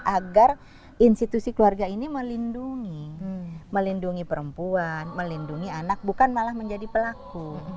agar institusi keluarga ini melindungi melindungi perempuan melindungi anak bukan malah menjadi pelaku